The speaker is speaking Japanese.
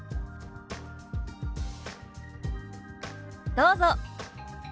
どうぞ。